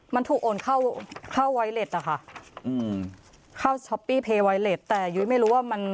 มันถูกโอนเข้าเข้านะคะอืมเข้าแต่ยุ้ยไม่รู้ว่ามัน